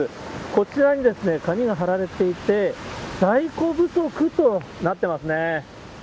こちらに紙が貼られていて、在庫不足となってますね。